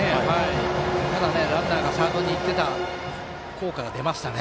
ランナーがサードに行ってた効果が出ましたね。